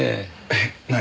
えっ何？